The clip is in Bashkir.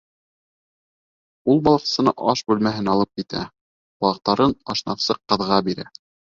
Ул балыҡсыны аш бүлмәһенә алып китә, балыҡтарын ашнаҡсы ҡыҙға бирә: